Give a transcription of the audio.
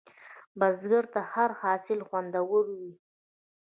بزګر ته هره حاصل خوندور وي